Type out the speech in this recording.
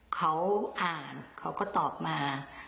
เขาอ่านเขาก็ตอบมา